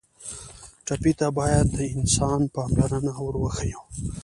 ټپي ته باید د انسان پاملرنه ور وښیو.